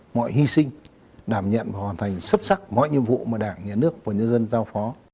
mọi hy sinh đảm nhận và hoàn thành xuất sắc mọi nhiệm vụ mà đảng nhà nước và nhân dân giao phó